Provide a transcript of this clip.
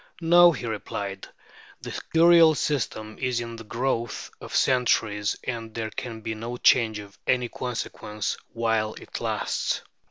"No," he replied, "the Curial system is the growth of centuries, and there can be no change of any consequence while it lasts.